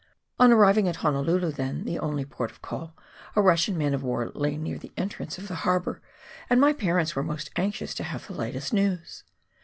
On arriving at Honolulu, then the only port of call, a Russian man of war lay near the entrance of the harbour, and my parents were most anxious to have the latest news.